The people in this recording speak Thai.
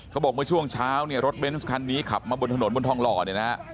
เขาบอกเมื่อช่วงเช้าเนี่ยรถเบนส์คันนี้ขับมาบนถนนบนทองหล่อเนี่ยนะฮะ